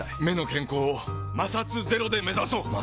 目の健康を摩擦ゼロで目指そう！